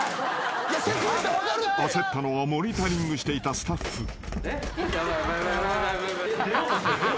［焦ったのはモニタリングしていたスタッフ］